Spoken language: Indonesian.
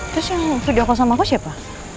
terus yang video call sama aku siapa